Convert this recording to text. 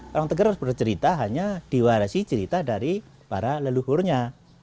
orang tegar harus bercerita hanya diwarisi cerita dari para leluhurnya